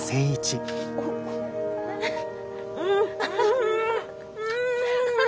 うんうん！